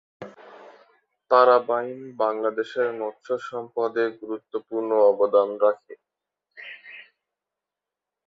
তারা বাইন বাংলাদেশের মৎস্য সম্পদে গুরুত্বপূর্ণ অবদান রাখে।